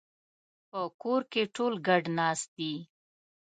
په کور کې ټول ګډ ناست دي